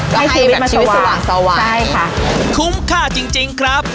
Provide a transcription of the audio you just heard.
ก็ให้แบบชีวิตสว่างสว่างใช่ค่ะคุ้มค่าจริงจริงครับ